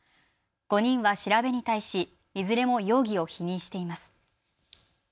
５人は調べに対しいずれも容疑を否認しています。